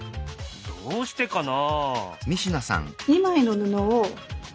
どうしてかな？